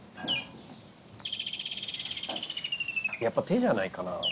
やっぱ手じゃないかな。